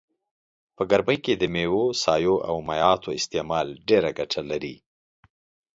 په ګرمي کي دميوو سابو او مايعاتو استعمال ډيره ګټه لرئ